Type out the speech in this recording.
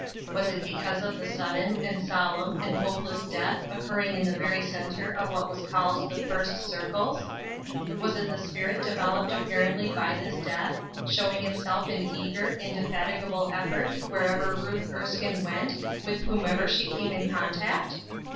Was it because of the sudden, and solemn, and hopeless death occurring in the very center of what was called "the first circles?" Was it the spirit developed apparently by this death, showing itself in eager, indefatigable effort wherever Ruth Erskine went, with whomsoever she came in contact?